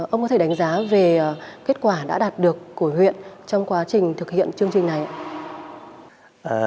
ông có thể đánh giá về kết quả đã đạt được của huyện trong quá trình thực hiện chương trình này ạ